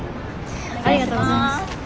ありがとうございます。